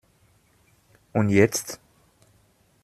Und jetzt?